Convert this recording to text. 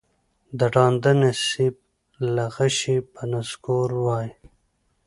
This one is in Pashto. د ړانده نصیب له غشي به نسکور وای